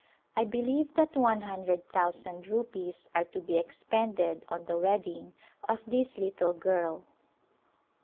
I believe that one hundred thousand rupees are to be expended on the wedding of this little girl.